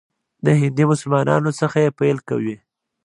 د هندي مسلمانانو څخه یې پیل کوي.